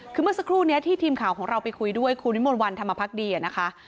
คือเมื่อสักครู่นี้ที่ทีมข่าวของเราไปคุยด้วยคุณวิมวลวันธรรมพักดีนะคะ